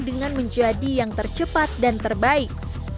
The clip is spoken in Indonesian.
dengan menjadi yang tercepat dan terbaik